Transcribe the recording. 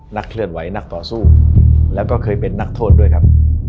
นักเคลื่อนไหวนักต่อสู้แล้วก็เคยเป็นนักโทษด้วยครับ